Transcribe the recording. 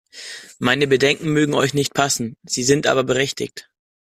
Meine Bedenken mögen euch nicht passen, sie sind aber berechtigt!